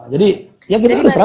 jadi ya kita harus ragu